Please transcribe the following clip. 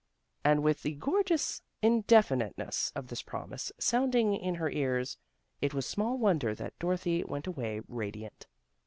And with the gorgeous indefiniteness of this promise sounding in her ears, it was small wonder that Dorothy went away radiant.